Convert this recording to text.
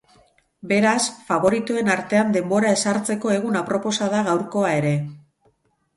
Beraz, faboritoen artean denbora ezartzeko egun aproposa da gaurkoa ere.